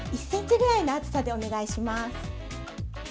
１ｃｍぐらいの厚さでお願いします。